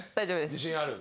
自信ある？